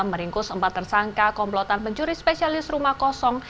meringkus empat tersangka komplotan pencuri spesialis rumah kosong